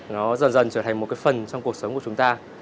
nó dần dần trở thành một cái phần trong cuộc sống của chúng ta